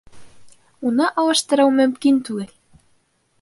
Уны алыштырыу мөмкин түгел.